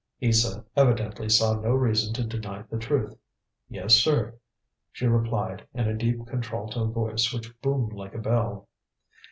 Isa evidently saw no reason to deny the truth. "Yes, sir," she replied, in a deep contralto voice which boomed like a bell.